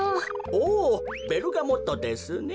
おおベルガモットですね。